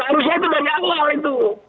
harusnya itu dari awal itu